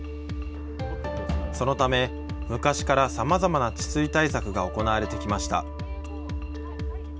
そのため昔から、さまざまな治水対策が行われてきました。